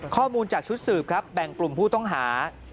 ข้อมูลจากชุดสืบครับแบ่งกลุ่มผู้ต้องหา